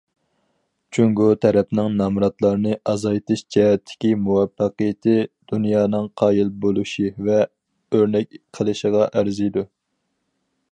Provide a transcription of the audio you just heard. جۇڭگو تەرەپنىڭ نامراتلارنى ئازايتىش جەھەتتىكى مۇۋەپپەقىيىتى دۇنيانىڭ قايىل بولۇشى ۋە ئۆرنەك قىلىشىغا ئەرزىيدۇ.